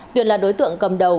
tuyển là đối tượng cầm đầu